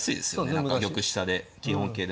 何か玉下で基本形で。